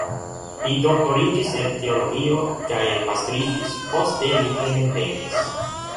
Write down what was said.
Li doktoriĝis el teologio kaj pastriĝis, poste li hejmenvenis.